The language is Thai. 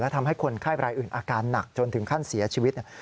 ทำให้คนไข้รายอื่นอาการหนักจนถึงขั้นเสียชีวิต